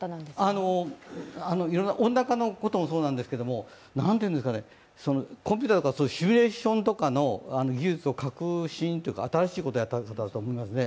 いろんな温暖化のこともそうなんですけど、コンピューターだとシミュレーションの技術の革新というか新しいことをやった方だと思いますね。